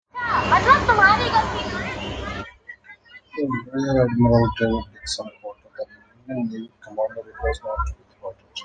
Rear Admiral David Dixon Porter, the Union Navy commander, was not to be thwarted.